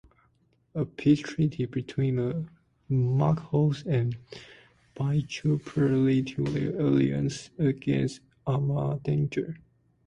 A peace treaty between the Mughals and Bijapur led to their alliance against Ahmadnagar.